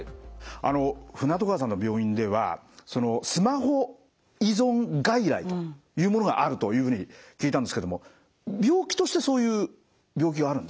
あの船渡川さんの病院ではスマホ依存外来というものがあるというふうに聞いたんですけども病気としてそういう病気があるんですか？